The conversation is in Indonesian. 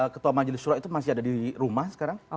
ketua majelis surah itu masih ada di rumah sekarang